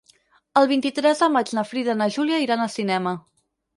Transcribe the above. El vint-i-tres de maig na Frida i na Júlia iran al cinema.